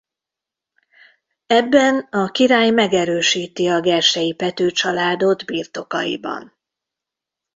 Ebben a király megerősíti a gersei Pethő családot birtokaiban.